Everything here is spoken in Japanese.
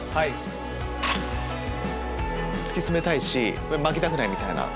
突き詰めたいし負けたくないみたいな。